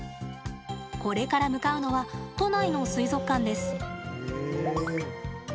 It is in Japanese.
これから向かうのは都内の水族館です。